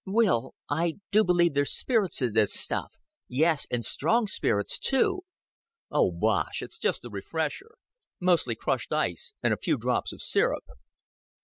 "Will, I do believe there's spirits in this stuff yes, and strong spirits too." "Oh, bosh. It's just a refresher. Mostly crushed ice, and a few drops of sirup."